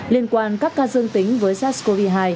liên quan các ca dương tính với sars cov hai